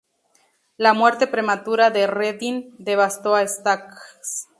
La muerte prematura de Redding devastó a Stax.